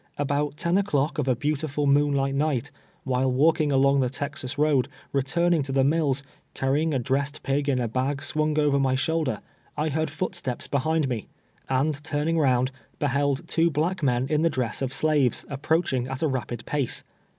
About ten o'clock of a beautiful moonlight night, while walking along the Texas road, returning to the mills, carrying a dressed pig in a bag swung over my shoulder, I heard footsteps behind me, and turning K 16 242 TWELVE YEARS A SLAVE. round, beheld two Llack men in the dress of shaves approaching at a rapid pace.